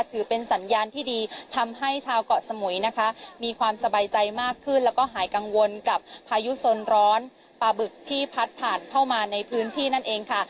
ถือเป็นสัญญาณที่ดีทำให้ชาวเกาะสมุยนะคะมีความสบายใจมากขึ้นแล้วก็หายกังวลกับพายุสนร้อนปลาบึกที่พัดผ่านเข้ามาในพื้นที่นั่นเองค่ะ